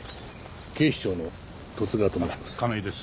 警視庁の十津川と申します。